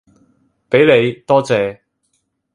畀你，多謝